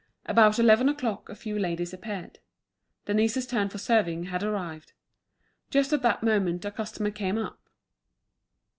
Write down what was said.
About eleven o'clock a few ladies appeared. Denise's turn for serving had arrived. Just at that moment a customer came up.